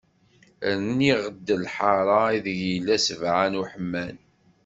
Rniɣ-d lḥara, i deg yella sbeɛ n uḥeman.